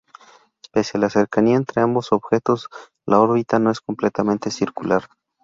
Pese a la cercanía entre ambos objetos, la órbita no es completamente circular.